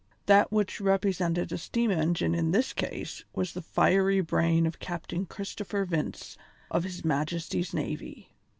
That which represented a steam engine in this case was the fiery brain of Captain Christopher Vince of his Majesty's navy.